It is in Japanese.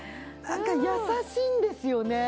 なんか優しいんですよね。